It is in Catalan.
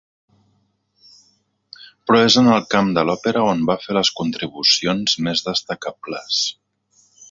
Però és en el camp de l'òpera on va fer les contribucions més destacables.